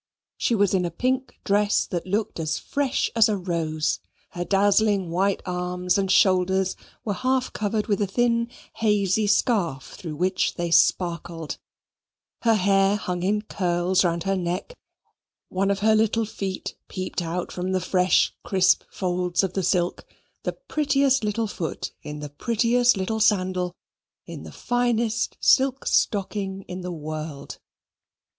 She was in a pink dress that looked as fresh as a rose; her dazzling white arms and shoulders were half covered with a thin hazy scarf through which they sparkled; her hair hung in curls round her neck; one of her little feet peeped out from the fresh crisp folds of the silk: the prettiest little foot in the prettiest little sandal in the finest silk stocking in the world.